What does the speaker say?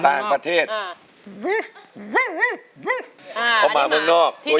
นี่ยังไม่ได้ร้องสักเพลงเลย